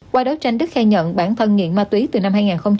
qua đó tăng đức khai nhận bản thân nghiện ma túy từ năm hai nghìn hai mươi